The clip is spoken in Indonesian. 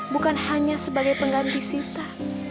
bukan hanya sebagai pengganti sita